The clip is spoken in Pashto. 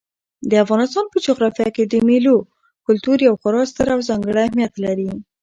د افغانستان په جغرافیه کې ملي کلتور یو خورا ستر او ځانګړی اهمیت لري.